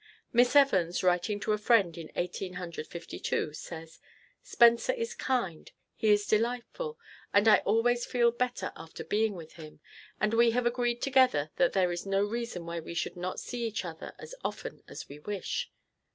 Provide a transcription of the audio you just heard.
Miss Evans, writing to a friend in Eighteen Hundred Fifty two, says, "Spencer is kind, he is delightful, and I always feel better after being with him, and we have agreed together that there is no reason why we should not see each other as often as we wish."